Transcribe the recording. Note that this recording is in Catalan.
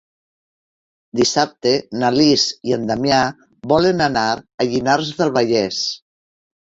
Dissabte na Lis i en Damià volen anar a Llinars del Vallès.